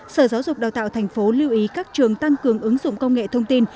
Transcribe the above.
sở giáo dục đào tạo tp hcm lưu ý các trường tăng cường ứng dụng công nghệ thông tin